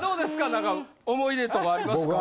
何か思い出とかありますか？